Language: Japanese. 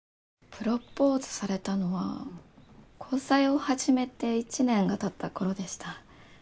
プロポーズされたのは交際を始めて１年が経った頃でした。